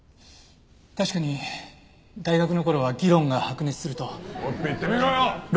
確かに大学の頃は議論が白熱すると。